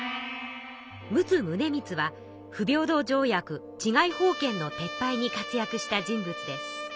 不平等条約治外法権の撤廃に活躍した人物です。